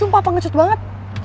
sumpah pengecut banget